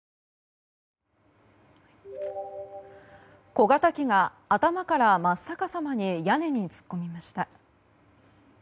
小型機が頭から真っ逆さまに屋根に突っ込みました。